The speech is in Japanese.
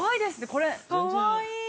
これ、かわいい。